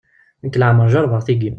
Nekk leɛmer jerbeɣ tigi.